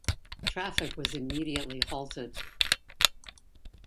Traffic was immediately halted.